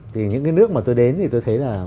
thì những cái nước mà tôi đến thì tôi thấy là